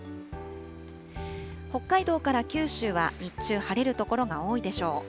北海道から九州は日中晴れる所が多いでしょう。